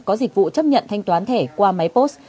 có dịch vụ chấp nhận thanh toán thẻ qua máy post